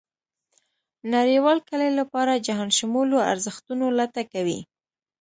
نړېوال کلي لپاره جهانشمولو ارزښتونو لټه کوي.